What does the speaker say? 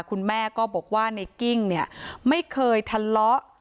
คุณแม่ก็บอกว่าในกิ้งเนี่ยไม่เคยทะเลาะ